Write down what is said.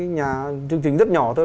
nhà chương trình rất nhỏ thôi